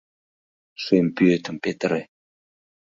Шем пӱетым петыре